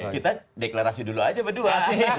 kita deklarasi dulu aja berdua